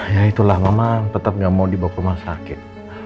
ya itulah mama tetap nggak mau dibawa ke rumah sakit